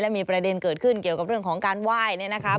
และมีประเด็นเกิดขึ้นเกี่ยวกับเรื่องของการไหว้